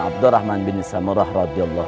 abdurrahman bin samurah radziullah